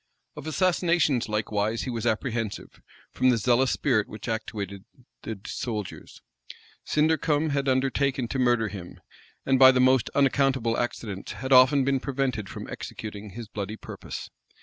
Of assassinations, likewise, he was apprehensive, from the zealous spirit which actuated the soldiers. Sindercome had undertaken to murder him; and by the most unaccountable accidents, had often been prevented from executing his bloody purpose.